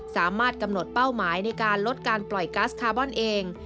สามารถกำหนดเป้าหมายในการลดการปล่อยกัสคาร์บอนเอง